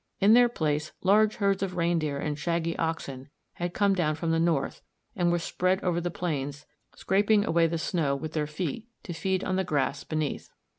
In their place large herds of reindeer and shaggy oxen had come down from the north and were spread over the plains, scraping away the snow with their feet to feed on the grass beneath.